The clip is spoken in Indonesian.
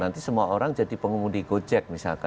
tapi semua orang jadi pengumum di gojek misalkan